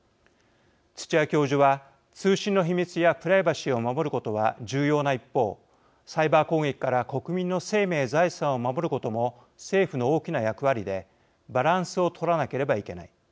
土屋教授は通信の秘密やプライバシーを守ることは重要な一方サイバー攻撃から国民の生命財産を守ることも政府の大きな役割でバランスを取らなければいけない。